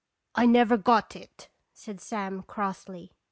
249 " I never got it," said Sam, crossly.